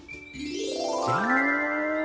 じゃん！